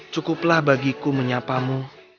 cukuplah bagiku menyapamu